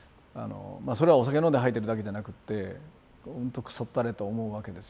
それはお酒飲んで吐いてるだけじゃなくってほんとくそったれと思うわけですよね。